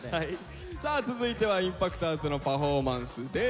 さあ続いてはＩＭＰＡＣＴｏｒｓのパフォーマンスです。